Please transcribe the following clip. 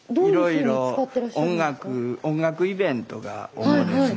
いろいろ音楽イベント